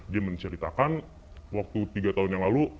dia menceritakan waktu tiga tahun yang lalu